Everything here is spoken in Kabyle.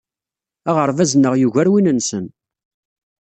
Aɣerbaz-nneɣ yugar win-nsen.